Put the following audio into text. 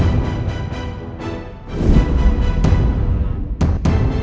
untungnya aku pakai kantor yang here